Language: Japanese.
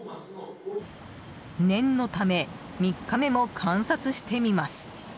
念のため３日目も観察してみます。